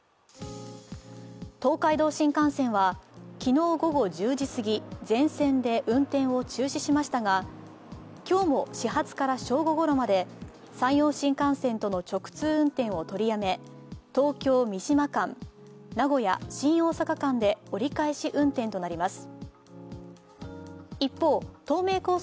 東海道新幹線は昨日午後１０時過ぎ、全線で運転を中止しましたが今日も始発から正午ごろまで山陽新幹線との直通運転を取りやめ、東京−三島間、名古屋−新大阪間で折り返し運転となります。